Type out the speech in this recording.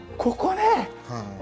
ここね！